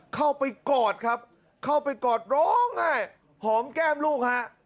เข้าไปกอดครับเข้าไปกอดร้องไห้หอมแก้มลูกฮะ